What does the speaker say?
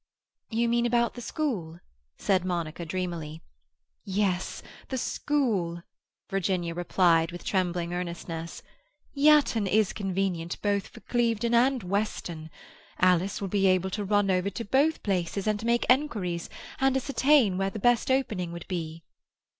"You mean about the school?" said Monica dreamily. "Yes, the school," Virginia replied, with trembling earnestness. "Yatton is convenient both for Clevedon and Weston. Alice will be able to run over to both places and make enquiries, and ascertain where the best opening would be."